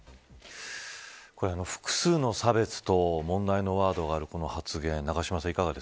複数の差別と問題のワードがあるこの発言